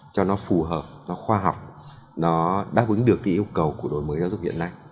cho nó phù hợp nó khoa học nó đáp ứng được cái yêu cầu của đổi mới giáo dục hiện nay